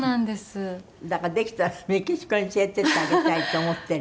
だからできたらメキシコに連れて行ってあげたいと思っている。